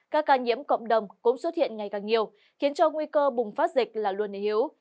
các ca nhiễm cộng đồng cũng xuất hiện ngày càng nhiều khiến cho nguy cơ bùng phát dịch là luôn yếu